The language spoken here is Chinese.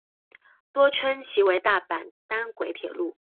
多称其为大阪单轨铁路。